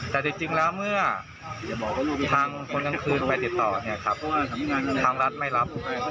แต่จริงแล้วเมื่อทางคนกลางคืนไปติดต่อเนี่ยครับทางรัฐไม่รับ